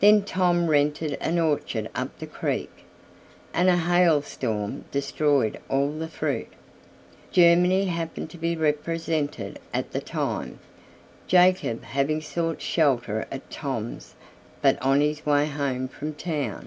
Then Tom rented an orchard up the creek, and a hailstorm destroyed all the fruit. Germany happened to be represented at the time, Jacob having sought shelter at Tom's but on his way home from town.